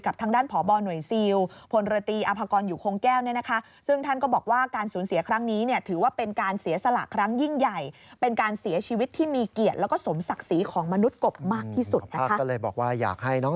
กับทางด้านผบหน่วยซีลผลตรตีอภอยู่โครงแก้วเนี่ยนะคะ